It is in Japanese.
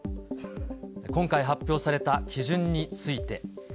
今回発表された基準について。